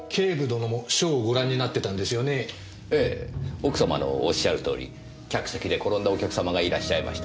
奥様のおっしゃるとおり客席で転んだお客様がいらっしゃいました。